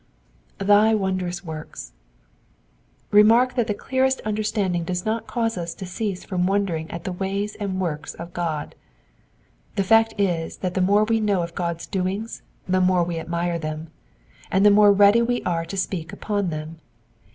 "2%y wondrous works,'* ^ Remark that the clearest understanding does not cause us to cease from wondering at the ways and woiks of God. The fact is that the more we know of Gud^s doings the more we admire them, and the more ready we are to speak upon them.